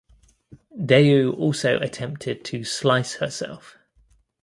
Dayu also attempted to slice herself.